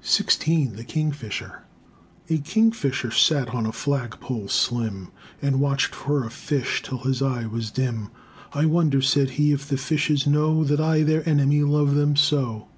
The Kingfisher A kingfisher sat on a flagpole slim, And watched for a fish till his eye was dim. "I wonder," said he, "if the fishes know That I, their enemy, love them so!